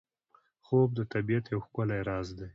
خوب د طبیعت یو ښکلی راز دی